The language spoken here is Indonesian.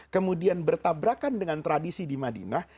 kemudian bertabrakan dengan tradisi di madinah